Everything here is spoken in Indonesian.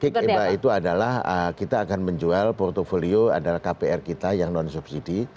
kickba itu adalah kita akan menjual portfolio adalah kpr kita yang non subsidi